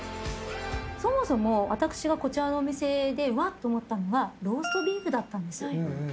そもそも私がこちらのお店でわっと思ったのがローストビーフだったんです。